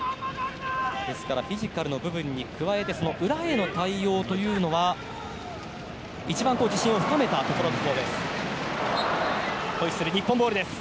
フィジカルの部分に加えて裏への対応というのは一番、自信を深めたところだそうです。